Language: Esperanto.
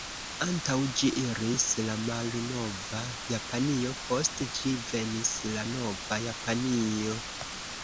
Antaŭ ĝi iris la malnova Japanio; post ĝi venis la nova Japanio.